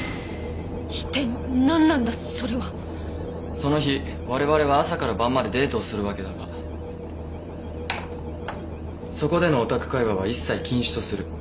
その日われわれは朝から晩までデートをするわけだがそこでのヲタク会話は一切禁止とする。